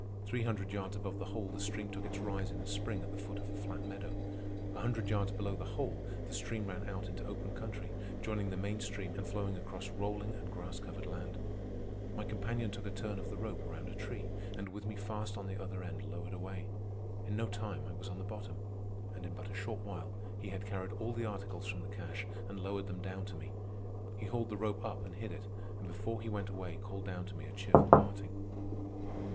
Three hundred yards above the hole the stream took its rise in a spring at the foot of a flat meadow. A hundred yards below the hole the stream ran out into open country, joining the main stream and flowing across rolling and grass covered land. My companion took a turn of the rope around a tree, and with me fast on the other end lowered away. In no time I was on the bottom. And in but a short while he had carried all the articles from the cache and lowered them down to me. He hauled the rope up and hid it, and before he went away called down to me a cheerful parting.